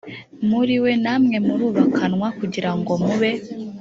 muri we namwe murubakanwa kugira ngo mube